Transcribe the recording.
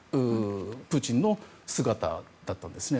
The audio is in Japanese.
プーチンの姿だったんですね。